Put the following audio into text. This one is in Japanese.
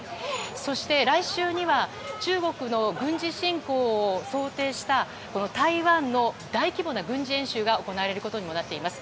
そして、来週には中国の軍事侵攻を想定した台湾の大規模な軍事演習が行われることにもなっています。